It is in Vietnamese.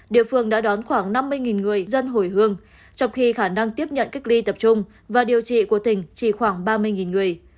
địa phương đã đón khoảng năm mươi người dân hồi hương trong khi khả năng tiếp nhận cách ly tập trung và điều trị của tỉnh chỉ khoảng ba mươi người